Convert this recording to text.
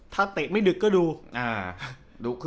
ถ้าเตะไม่ดึกก็ดู